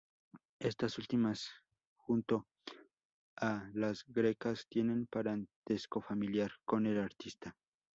Estas últimas junto a "Las Grecas" tienen parentesco familiar con el artista.